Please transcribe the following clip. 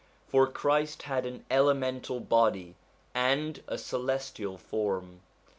For Christ had an elemental body and a celestial form.